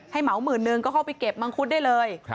เหมาหมื่นนึงก็เข้าไปเก็บมังคุดได้เลย